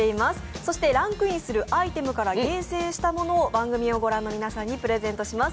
そしてランクインするアイテムから厳選したものを番組を御覧の皆さんにプレゼントします。